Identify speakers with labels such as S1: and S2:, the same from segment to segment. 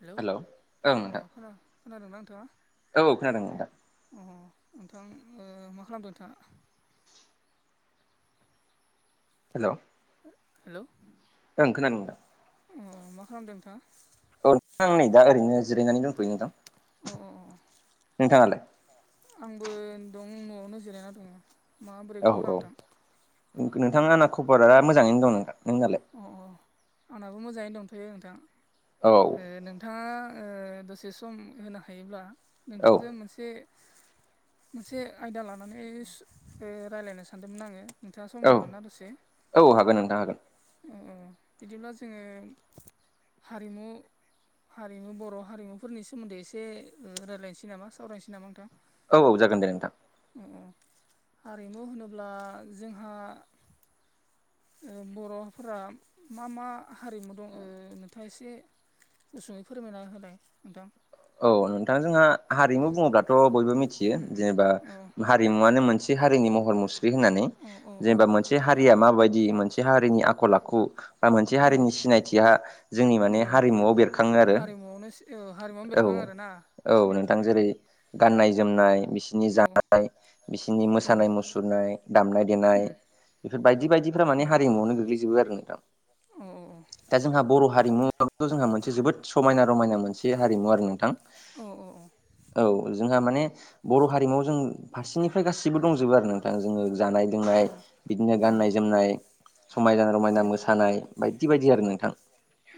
S1: Hello
S2: ओं
S1: अ
S2: नोंथां
S1: खोना खोनादोंना नोंथाङा?
S2: औ खोनादों नोंथा।
S1: अ नोंथां ओ मा खालामदों नोंथाङा?
S2: हेलौ
S1: हेलौ
S2: ओं खोनादों
S1: अ मा खालामदों नोंथाङा?
S2: औ आं नै दा ओरैनो जिरायनानै दंथ'यो नोंथां
S1: अ अ अ
S2: नोंथाङालाय?
S1: आंबो दं न'आवनो जिरायना दङ। माबोरै
S2: औ
S1: खबरा
S2: औ
S1: नोंथां
S2: नोंथां आंना खबरा मोजाङैनो दं नोंथां नोंनालाय?
S1: अ अ आंनाबो मोजाङैनो दंथयो नोंथां
S2: औ
S1: ओ नों थाङा ओ दसे सम होनो हायोब्ला नोंथांजों मोनसे मोनसे आयदा लानानै रायलायनो सानदोंमोन आङो नोंथाङा सम
S2: औ
S1: हागोन ना दसे
S2: औ हागोन नोंथां हागोन।
S1: अ अ बिदिब्ला जोङो हारिमु हारिमु बर' हारिमुफोरनि सोमोन्दै एसे ओ रायलायनोसै नामा सावरायनोसै नामा नोंथां।
S2: औ औ जागोन दे नोंथां।
S1: अ औ हारिमु होनोब्ला जोंहा ओ बर'फोरा मा मा हारिमु दं ओ नोंथा एसे‌ गुसुङै फोरमायना होलाय नोंथां।
S2: औ नोंथां जोंहा हारिमु बुङोब्लाथ' बयबो मिथियो
S1: उम उम
S2: जेनेबा
S1: औ
S2: हारिमुवनो मोनसे हारिनि महर मुस्रि होननानै
S1: औ औ औ
S2: जेनेबा मोनसे हा रिया माबायदि मोनसे हारिनि आखल आखु बा मोनसे
S1: औ
S2: हारिनि सिनायथिया जोंनि माने हारिमुआव बेरखाङो आरो
S1: नआवनो सो
S2: औ औ नोंथां जेरै
S1: ओं
S2: गाननाय जोमनाय बिसिनि
S1: औ
S2: जानाय बिसिनि
S1: औ
S2: मोसानाय मुसु सुरनाय दामनाय देनाय
S1: उम
S2: बेफोर बायदि बायदिफ्रा
S1: औ
S2: माने हारिमुआवनो गोग्लैजोबो आरो नोंथां।
S1: औ
S2: दा जोंहा बर' हारिमुवाबोथ' जोंहा मोनसे जोबोद समायना रमायना मोनसे हारिमु आरो नोंथां।
S1: औ औ औ
S2: औ जोंहा माने बर' हारिमुआव जों फारसेनिफ्राय गासिबो दंजोबो आरो नों जोङो जानाय
S1: औ
S2: लोंनाय बिदिनो
S1: औ
S2: गाननाय जोमनाय समायना रमायना मोसानाय बायदि बायदि आरो नोंथां।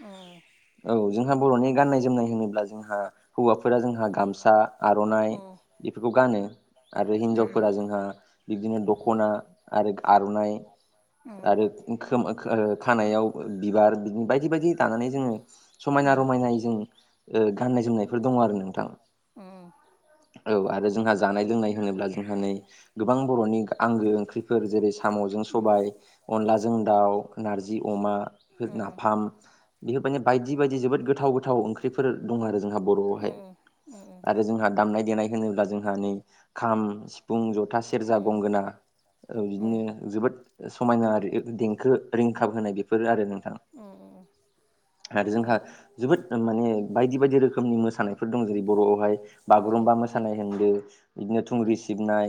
S1: औ
S2: औ जोंहा बर'नि गाननाय जोमनाय होनोब्ला जोंहा हौवाफोरा जोंहा
S1: औ
S2: गामसा आर'नाइ
S1: औ औ
S2: बेफोरखौ गानो आरो
S1: उम
S2: हिनजावफोरा जोंहा बिदिनो दख'ना आरो आर'नाइ
S1: उम
S2: आरो खोम ओ खानायाव बिबार बिदि बायदि बायदि दानानै जोङो समायना
S1: औ
S2: रमायनायै जों गाननाय जोमनायफोर दङ आरो नोंथां।
S1: औ औ
S2: औ आरो जोंहा जानाय लोंनाय होनोब्ला जोंहा नै गोबां बर'नि आंगो ओंख्रिफोर जेरै साम'जों सबाय अनलाजों दाउ नारजि अमा नाफाम बेफोर माने बायदि बायदि जोबोद गोथाव गोथाव ओंख्रिफोर दं आरो जोंहा बर'आवहाय आरो जोंहा दामनाय देनाय होनोब्ला जोंहा नै खाम सिफुं जथा सेरजा गंगोना बिदिनो जोबोद समायना देंखो रिंखाब होनाय बेफोर आरो नोंथां
S1: उम उम
S2: आरो जोंहा जोबोद माने बायदि बायदि रोखोमनि मोसानायफोर दं जेरै बर'आवहाय बागुरुम्बा मोसानाय होनदों बिदिनो थुंग्रि सिबनाय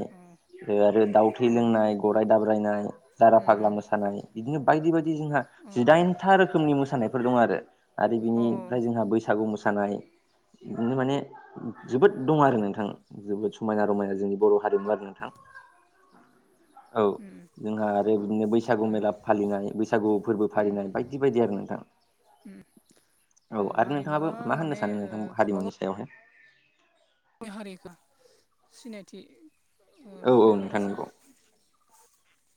S2: आरो दाउ थै लोंनाय गरराय दाब्रायनाय दारा फाग्ला मोसानाय बिदिनो बायदि बायदि जोंहा जिदाइनथा रोखोमनि मोसानायफोर दं आरो आरो बिनिफ्राय जोंहा बैसागु मोसानाय बिदिनो माने जोबोद दं आरो नोंथां जोबोद समायना रमायना जोंनि बर' हारिमु आरो नोंथां औ जोंहा आरो बिदिनो बैसागु मेला फालिनाय बैसागु फोरबो फालिनाय बायदि बायदि आरो नोंथां
S1: उम
S2: औ आरोनो
S1: अ माने ओ गाबागाव
S2: सायावहाय
S1: जोंनि हारिखौ सिनायथि ओ
S2: औ औ
S1: बेफोरो
S2: नोंथां
S1: मोनसे
S2: नंगौ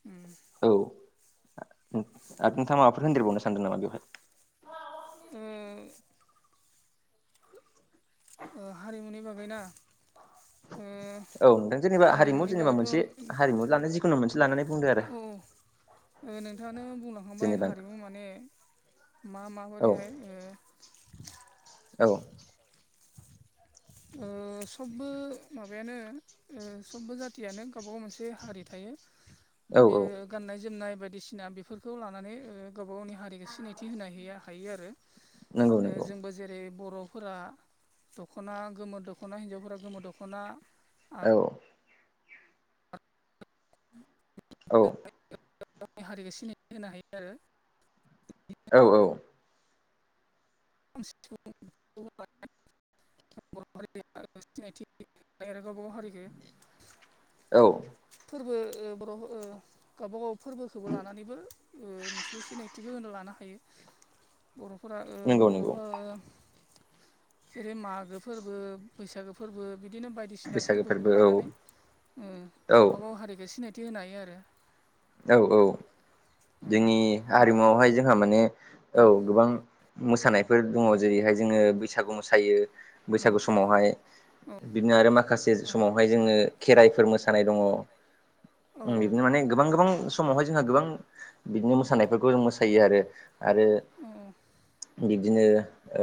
S1: उम
S2: औ आरो नोंथाङा माबाफोर होनदेरबावनो सानदों नामा बेवहाय
S1: उम ओ हारिमुनि बागैना ओ
S2: औ नोंथां जेनेबा हारिमु
S1: हारिमुनि
S2: जेनेबा
S1: बागैथ'
S2: मोनसे
S1: औ
S2: हारिमु लानानै जिखुनु मोनसे लानानै बुंदों आरो
S1: नोंथाङानो बुंलांखांबाय
S2: जेनेबा
S1: हारिमु माने मा मा
S2: औ
S1: हरैहाय ओ
S2: औ।
S1: ओ सबबो माबायानो ओ समबो जातयानो गावबा गाव मोनसे हारि थायो
S2: औ
S1: बे
S2: औ
S1: गाननाय जोमनाय बायदिसिना बेफोरखौ लानानै ओ गावबा गावनि हारिखौ सिनायथि होनो हायो आरो
S2: नंगौ नंगौ
S1: जों आंबो जेरै बर'फोरा दख'ना गोमो दख'ना हिनजावफोरा गोमो दख'ना
S2: औ। औ
S1: गावनि हारिखौ सिनायथि होनो हायो आरो
S2: औ औ।
S1: [unintelligible] [unintelligible] गावबा गाव हारिखो
S2: औ
S1: फोरबो ओ बर' ओ गावबा गाव फोरबोखौबो लानानैबो मोनसे सिनायथिखौ होनो लानो हायो बर'फोरा ओ
S2: नंगौ नंगौ
S1: बर'फोरा जेरै मागो फोरबो बैसागो फोरबो बिदिनो बाय बायदिसिना
S2: बैसागो फोरबो
S1: फोरबोखौबो
S2: औ
S1: लानानै ओम
S2: औ
S1: गावबाागाव हारिख सिनायथि होनो हायो आरो
S2: औ औ जोंनि
S1: ओ ओमफ्राय
S2: हारिमुआवहाय जों जों माने औ गोबां मोसानायफोर दङ जेरैहाय जोङो बैसागु मोसायो बैसागु समावहाय बिदिनो आरो माखासे
S1: ओ
S2: समावहाय जोङो खेराइफोर मोसानाय दङ
S1: औ
S2: बिदिनो माने गोबां गोबां समावहाय जोंहा गोबां बिदिनो मोसानायफोरखौ जों मोसायो आरो आरो बिब्दिनो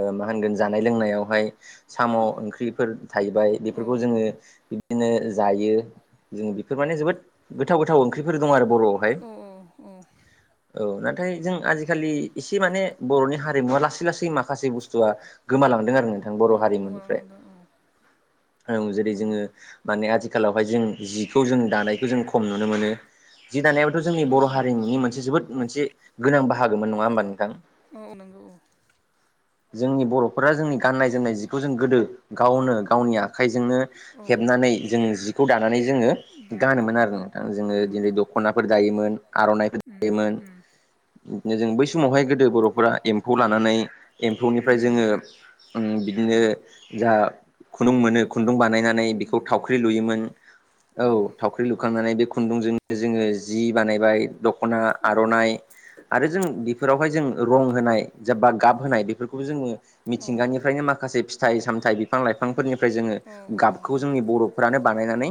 S2: ओ मा होनगोन जानाय लोंनायावहाय साम' ओंख्रिफोर थाहबाय
S1: औ
S2: बेफोरखौ जोङो बिदिनो जायो। जों बेफोर माने जोबोद गोथाव गोथाव ओंख्रिफोर दं आरो बर'आवहाय
S1: औ [unintelligible]
S2: औ नाथाय जों आजिखालि एसे माने बर'नि हारिमुवा लासै लासै माखासे बुस्थुआ गोमालांदों आरो नोंथां
S1: औ
S2: बर'
S1: गोमालांनो
S2: हारिमुनिफ्राय
S1: हमदों
S2: औ जेरै जोंङो माने आथिखालावहाय जों जिखौ जों दानायखौ जों खम नुनो मोनो। जि दानायाबाथ' जोंनि
S1: औ
S2: बर' हारिमुनि मोनसे जोबोद मोनसे गोनां बाहागोममोन नङा होमबा नोंथां।
S1: औ नंगौ औ
S2: जोंनि बर'फोरा जोंनि गाननाय जोमनाय जिखौ जों गोदो गावनो गावनि
S1: औ
S2: आखाइजोंनो
S1: औ
S2: हेबनानै जोऔङो जिखौ दानानै जोंङो
S1: दानानै औ
S2: गानोमोन आरो नोंथां जोंङो
S1: गानोमोन औ
S2: दिनै दख'ना फोर दायोमोन आर'नाइबो
S1: उम
S2: दायोमोन
S1: उम
S2: नो जों बै समावहाय गोदो बर'फोरा एम्फौ लानानै एम्फौनिफ्राय
S1: उम
S2: जोंङो ओम
S1: उम
S2: बिदिनो
S1: औ
S2: जा खुन्दुं मोनो
S1: एम्फौनिफ्राय
S2: खुन्दुं बानायनानै
S1: खुन्दुं उम
S2: बेखौ थावख्रि लुयोमोन औ थावख्रि लुखांनानै बे खुन्दुंजोंनो जोंङो जि बानायबाय दख'ना,
S1: औ
S2: आर'नाइ, आरो जों बेफोरावहाय जों रं होनाय जेनबा गाब होनाय बेफोरखौबो जोंङो
S1: औ
S2: मिथिंगानिफ्रायनो माखासे फिथाइ सामथाइ बिफां लाइफांफोरनिफ्राय जोंङो
S1: औ
S2: गाबखौ जोंनि बर'फ्रानो बानायनानै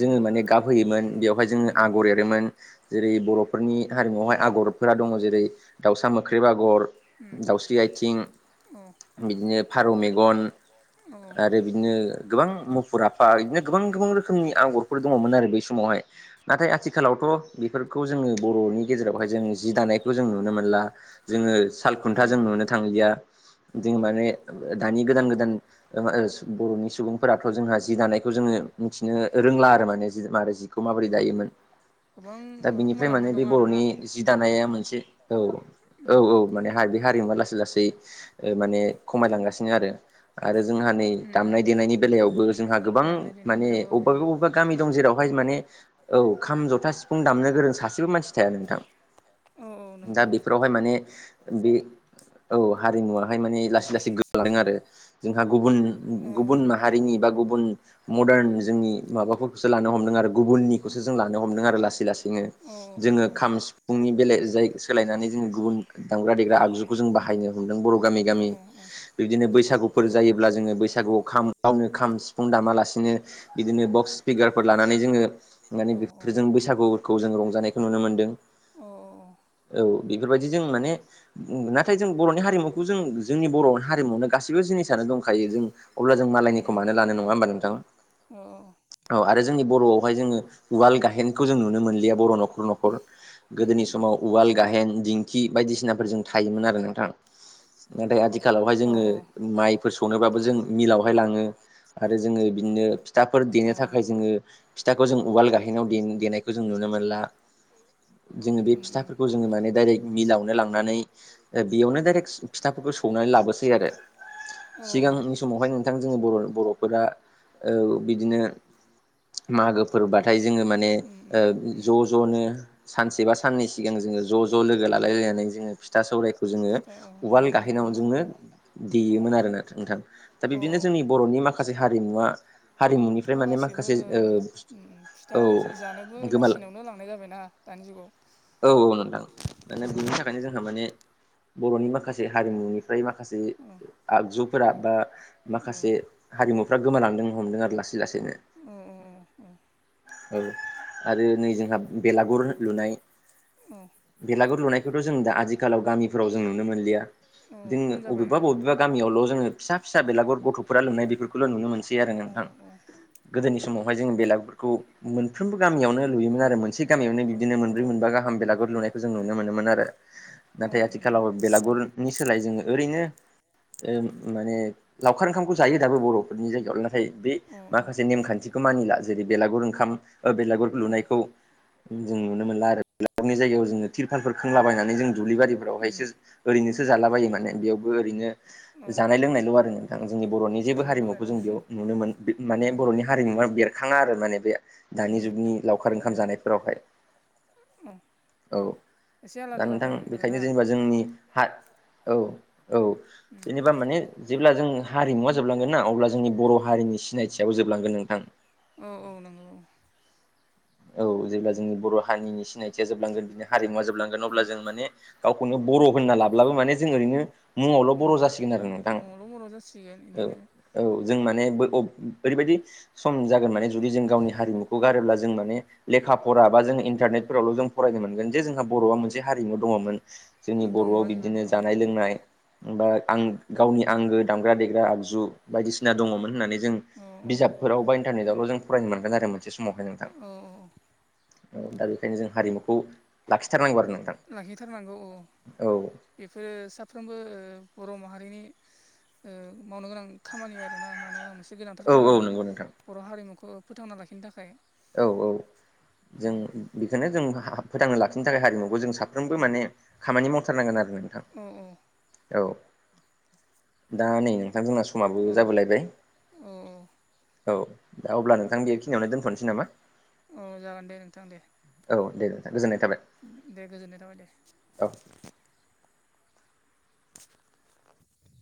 S2: जोंङो माने गाबहयोमोन बेवहाय
S1: उम औ
S2: जोंङो आगर एरोमोन। जेरै बर'फोरनि हारिमुआवहाय आगरफोरा दङ जेरै दाउसा मोख्रेब आगर, दाउसा
S1: [inaudible]
S2: बिदिनो फारौ मेगन,
S1: [unintelligible]
S2: आरो बिदिनो गोबां मुफुर आफा इदिनो गोबां गोबां रोखोमनि आग'रफोर दंङमोन आरो बै समावहाय नाथाय आथिखालावथ' बेफोरखौ जोंङो बर'नि गेजेरावहाय जोंङो जि दानायखौ जों नुनो मोनला। जोंङो
S1: उम
S2: सालखुन्था जों
S1: उम
S2: नुनो थांलिया जों माने दानि गोदान
S1: औ
S2: गोदान ओ बर'नि सुबुंफोराथ' जोंहा जि दानायखौ जोंङो मिथिनो रोंला आरो माने खौ माबोरै दायोमोन
S1: [inaudible]
S2: दा
S1: ओ
S2: बेनिफ्राय
S1: खमायलांबाय
S2: माने
S1: दं
S2: बे
S1: आरोना
S2: बर'नि जि दानाया
S1: उम
S2: मोनसे औ औ
S1: उम
S2: औ माने बे हारिदो हारिमुवा लासै लासै माने खमायलांगासिनो आरो आरो जोंहा नै
S1: उम
S2: दामनाय देनायनि बेलायावबो जोंहा गोबां
S1: दामनाय देनायनि
S2: माने
S1: बेलायावबो औ
S2: अबावबा अबेबा गामि दं जेरावहाय माने औ खाम जथा सिफुं दामनो गोरों सासेबो मानसि थाया नोंथां
S1: औ औ
S2: दा
S1: नंगौ
S2: बेफोरावहाय माने बे औ हारिमुवाहाय माने लासै लासै गोमालांदों आरो जोंहा गुबुन
S1: औ
S2: गुबुन माहारिनि बा गुबुन मदार्न जोंनि माबाफोरखौसो लानो हमदों आरो गुबुननिखौसो जों लानो हमदों आरो लासै लासैनो जोंङो खाम, सिफुंनि बेले जाय सोलायनानै जोंङो गुबुन दामग्रा देग्रा आगजु खौ जों बाहायनो हमदों बर' गामि गामि
S1: औ औ
S2: बिदिनो बैसागुफोर जायोब्ला जोंङो बैसागुआव खाम गावनो खाम सिफुं दामालासिनो बिदिनो बक्स स्पिकारफोर लानानै जोंङो माने बेफोरजों बैसागुखौ जों रंजानायखौ नुनो मोनदों। औ बेफोरबायदि जों माने नाथाय जों बर'नि हारिमुखौ जों जोंनि बर'नि हारिमुवानो गासैबो जिनिसानो दंखायो जों अब्ला जों मालायनि
S1: उम्म उम्म अ अ‌ अ
S2: औ आरो जोंनि बर'आवहाय जोंङो उवाल गाहेनखौ जों नुनो मोनलिया बर' न'खर न'खर गोदोनि समाव उवाल, गाहेन, दिंखि बायदिसिनाफोरजों थायोमोन आरो नोंथां। नाथाय आथिखालावहाय जोंङो माइ सौनोबाबो जों मिलावहाय लांङो आरो जोंङो बिदिनो फिथाफोर देनो थाखाय जोंङो फिथाखौ जों उवाल गाहायाव दे देनायखौ जों नुनो मोनला जोङो बे
S1: नुनो मोनला
S2: फिथा फोरखौ जोंङो माने दडाइरेक्ट मिलावनो लांनानै बेयावनो दडाइरेक्ट फिथाफोरखौ सौनानै लाबोसै आरो सिगांनि समावहाय नोंथां जोंनि बर' बर'फोरा औ बिदिनो।
S1: बिदिनो
S2: मागोफोरबाथाय जोङो
S1: मागोफोरबाथाय
S2: माने
S1: जों ओ
S2: ज'
S1: ओ जों ज' ज'नो
S2: सानसे बा साननै
S1: सानसे [inaudible]
S2: सिगां जोङो ज' लोगो लालायलायनानै जोङो फिथा सौरायखौ
S1: औ
S2: जोङो
S1: फिथा औ
S2: उवाल
S1: देनाय
S2: गाहेनाव
S1: नुयोमोन ना
S2: जोङो
S1: औ ओम औ औ दाथ'
S2: देयोमोन आरोना नोंथां दा बिब्दिनो जोंनि बर'नि माखासे हारिमुवा हारिमुनिफ्राय माने
S1: गासैबो
S2: माखासे
S1: ओ ओम ओम फिथा
S2: औ
S1: मोनसे जानोबो
S2: गोमाला
S1: मेचिनावनो लांनाय जाबायना दानि जुगाव।
S2: औ औ नोंथां माने बिनि थाखायनो जोंहा माने बर'नि माखासे हारिमुनि फ्राय माखासे
S1: ओ
S2: आगजुफोरा बा
S1: ओ
S2: माखासे हारिमुफ्रा गोमालांदों हमदों आरो लासै लासैनो
S1: उ उम उम उम
S2: औ आरो नै जोंहा बेलागुर लुनाय
S1: ओम
S2: बेलागुर लुनायखौथ' जों दा आथिखालाव गामिफोराव जों नुनो मोनलिया।
S1: औ
S2: जों
S1: खम जाबाय
S2: अबेबा
S1: औ
S2: बबेबा गामयावल' जोंङो फिसा फिसा बेलागुर गथ'फोरा लुनाय बेफोरखौल' नुनो मोनसै
S1: अ
S2: आरो
S1: अ
S2: नोंथां
S1: अ अ।
S2: गोदोनि समावहाय जोंङो बेलागुरखौ मो फ्रोमबो गामियावनो लुयोमोन मोनसे गामियावनो
S1: औ
S2: बिदिनो
S1: औ
S2: मोनब्रै मोनबा गाहाम बेलागुर लुनायखौ जों नुनो मोनोमोन आरो
S1: औ
S2: नाथाय
S1: नंगौ
S2: आथिखालाव
S1: उम
S2: बेेलागुरनि सोलाय जोंङो ओरैनो ओ माने लावखार ओंखामखौ जायो दाबो बर'फोरनि जायगायाव नाथाय बे
S1: अ
S2: माखासे नेम खान्थिखौ मानिला जेरै बेलागुर ओंखाम ओ बेलागुर
S1: अ
S2: लुनायखौ जों नुनो मोनला आरो। बेलागुरनि जायगायाव जोङो तिरफालफोर खोंलाबायनानै जों दुब्बारिफोरावहायसो
S1: उम
S2: ओरैनोसो जालाबायो माने बेयावबो ओरैनो
S1: औ
S2: जानाय लोंनायल' आरो नोंथां जोंनि बर'नि जेबो
S1: जानाय
S2: हारिमुखौ
S1: लोंनायल' औ
S2: जों बेयाव नुनो मोन माने
S1: औ
S2: बर'नि हारिमुवा बेरखाङा आरो माने बे दानि
S1: नंगौ
S2: जुगनि
S1: औ
S2: लावखार ओंखाम जानायफोरावहाय।
S1: औ
S2: औ
S1: एसे
S2: दा
S1: आलादा
S2: नोंथां
S1: जाबाय आरोना
S2: बेखायनो जेनेबा जोंनि हा औ औ जेनेबा माने जेब्ला जों हारिमुवा जोबलांगोन ना अब्ला जोंनि बर' हारिनि सिनायथियाबो जोबलांगोन नोंथां।
S1: औ औ नंगौ औ
S2: औ जेब्ला जोंनि बर' हारिनि सिनायथिया जोबलांगोन बिदिनि हारिमुवा जोबलांगोन
S1: औ
S2: अब्ला जों माने गावखौनो बर' होनना लाब्लाबो माने जों ओरैनो मुङावल' बर' जासिगोन आरो नोंथां।
S1: र' मर' जासिगोन
S2: औ
S1: बिदिनो
S2: औ जों माने बै-अ-ओरैबायदि सम जागोन माने जुदि जों गावनि हारिमुखौ गारोब्ला जों माने लेखा फरा बा जों इन्टारनेटफोरावल' जों फरायनो मोनगोन जे जोंहा बर'आ मोनसे हारिमु दङमोन। जोंनि
S1: दंमोन
S2: बर'आव
S1: होननानै
S2: बिदिनो
S1: औ
S2: जानाय लोंनाय बा आं गावनि आंगो दामग्रा देग्रा आगजु बायदिसिना दंङमोन होननानै जों
S1: औ
S2: बिजाबफोराव बा इन्टारनेटआवल' जों फरायनो मोनग्रा जागोन आरो मोनसे समावहाय नोंथां।
S1: औ औ औ
S2: औ दा बेखायनो जों हारिमुखौ लाखिथारनांगौ आरो नों
S1: लाखिथारनांगौ औ बेफोरो साफ्रोमबो बर' माहारिनि ओ मावनो गोनां खामानि आरो ना मावनो गोनां मोनसे गोनांथार
S2: औ औ
S1: खामानि
S2: नंगौ नोंथां
S1: बर' हारिमुखौ फोथांना लाखिनो थाखाय
S2: औ औ जों बेखौनो जों फोथांनो लाखिनो थाखाय हारिमुखौ जों साफ्रोमबो
S1: औ
S2: माने खामानि मावथारनांगोन आरो नोंथां
S1: औ
S2: औ दा नै नोंथां जोंना समाबो
S1: औ
S2: जाबोलायबाय
S1: औ
S2: औ दा अब्ला नोंथां बेखिनियावनो दोनथ'नोसै नामा?
S1: अ जागोन दे नोंथां दे।
S2: औ दे नोंथां गोजोननाय थाबाय।
S1: दे गोजोननाय थाबाय दे
S2: औ
S1: [unintelligible]